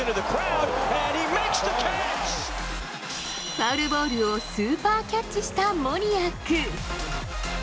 ファウルボールをスーパーキャッチしたモニアック。